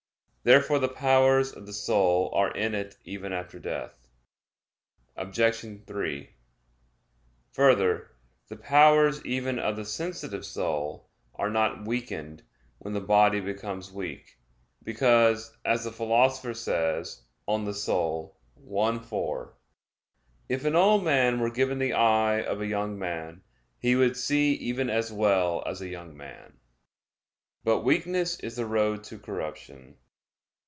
Therefore the powers of the soul are in it even after death. Obj. 3: Further, the powers even of the sensitive soul are not weakened when the body becomes weak; because, as the Philosopher says (De Anima i, 4), "If an old man were given the eye of a young man, he would see even as well as a young man." But weakness is the road to corruption.